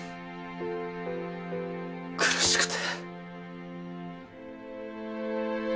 苦しくて。